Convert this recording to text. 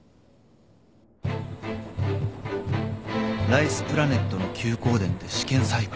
［ライスプラネットの休耕田で試験栽培］